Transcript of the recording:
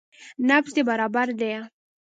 نبض دې برابر ديه.